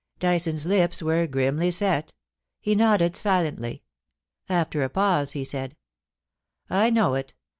Dyson's lips were grimly set ; he nodded silently. After a pause he said :' I know it L.